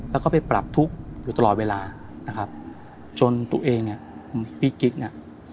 แล้วก็ไปปรับทุกข์อยู่ตลอดเวลานะครับจนตัวเองเนี่ยพี่กิ๊กเนี่ย